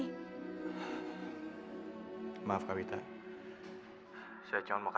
tidak akan bisa menent jarduk